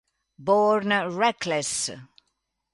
Born Reckless